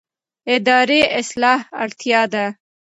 اداري اصلاح اړتیا ده